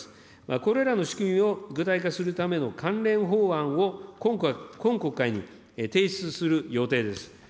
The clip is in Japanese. これらの仕組みを具体化するための関連法案を今国会に提出する予定です。